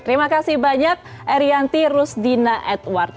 terima kasih banyak erianti rusdina edward